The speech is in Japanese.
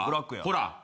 ほら！